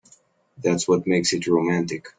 That's what makes it romantic.